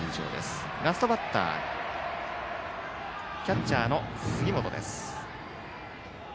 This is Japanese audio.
打席にはラストバッターキャッチャーの杉本です。